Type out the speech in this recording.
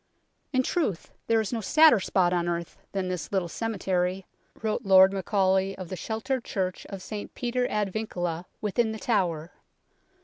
" In truth, there is no sadder spot on earth than this little cemetery," wrote Lord Macaulay of the sheltered church of St Peter ad Vincula within The Tower.